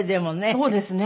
そうですね。